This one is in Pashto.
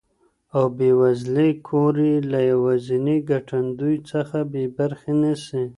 او بې وزلی کور یې له یوازیني ګټندوی څخه بې برخي نه سي.